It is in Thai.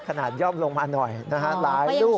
ย่อมลงมาหน่อยนะฮะหลายลูก